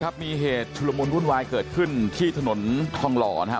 มีเหตุชุลมุนวุ่นวายเกิดขึ้นที่ถนนทองหล่อนะฮะ